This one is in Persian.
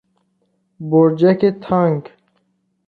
برجک تانک